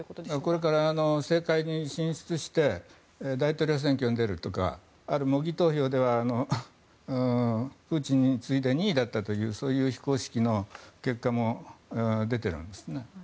これから政界に進出して大統領選挙に出るとか模擬投票ではプーチンに次いで２位だったというそういう非公式の結果も出ているわけですね。